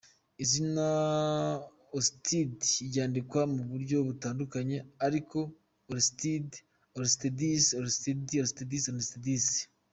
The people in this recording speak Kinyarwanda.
Izina Aristide ryandikwa mu buryo butandukanye aribwo Aristides , Aristeidis , Arisztid, Aristides ,Aristides.